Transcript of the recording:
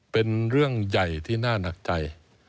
เป็นเรื่องใหญ่ที่น่าหนักใจ